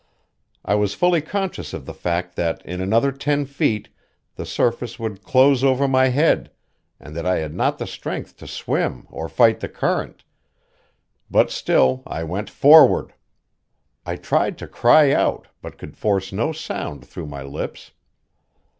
I was fully conscious of the fact that in another ten feet the surface would close over my head, and that I had not the strength to swim or fight the current; but still I went forward. I tried to cry out, but could force no sound through my lips.